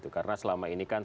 karena selama ini kan